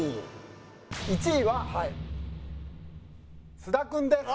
１位は菅田君です。